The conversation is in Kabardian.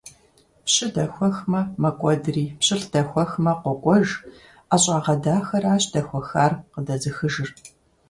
Пщы дэхуэхмэ, мэкӀуэдри, пщылӀ дэхуэхмэ, къокӀуэж: ӀэщӀагъэ дахэращ дэхуэхар къыдэзыхыжыр!